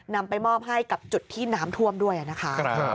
นำไปมอบให้กับจุดที่น้ำท่วมด้วยนะคะ